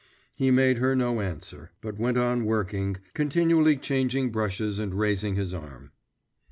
He made her no answer, but went on working, continually changing brushes and raising his arm.